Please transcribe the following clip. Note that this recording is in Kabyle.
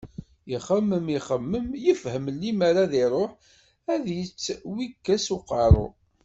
Ixemmem, ixemmem, yefhem limer ad iruḥ ad as-yettwikkes uqerru.